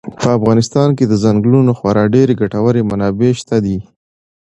په افغانستان کې د ځنګلونو خورا ډېرې ګټورې منابع شته دي.